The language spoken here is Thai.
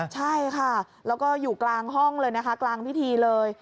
ใช่ค่ะแล้วก็อยู่กลางห้องเลยนะคะกลางพิธีเลย